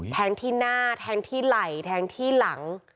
แทงที่หน้าแทงที่ไหล่แทงที่หลัง